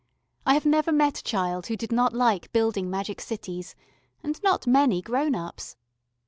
I have never met a child who did not like building magic cities, and not many grown ups.